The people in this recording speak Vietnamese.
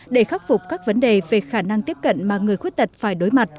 để khắc phục các vấn đề về khả năng tiếp cận mà người khuyết tật phải đối mặt